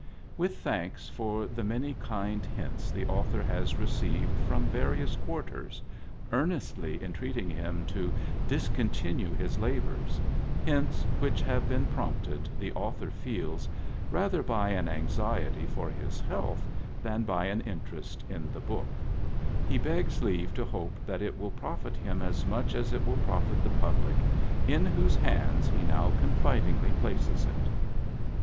With thanks for the many kind hints the author has received from various quarters, earnestly entreat ing him to discontinue his labors, hints which have been prompted, the author feels, rather by an anxiety for his health than by an interest in the book, he begs leave to hope that it will profit him as much as it will profit the public, in whose hands he now con fidingly places it.